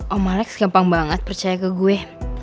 om malex gampang banget percaya ke gue